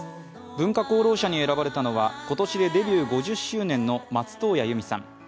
文化功労者に選ばれたのは今年でデビュー５０周年の松任谷由実さん。